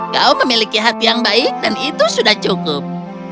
kau memiliki hati yang baik dan itu sudah cukup